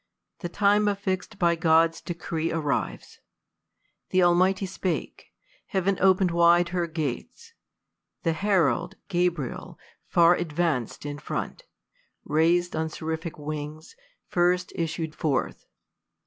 The time affix'd by God's decree arrives. Th' Almighty spake : heav'n open'd wide her gates. The herald, Gabriel, far advanc'd in front, Rais'd on seraphic wings, first issued forth.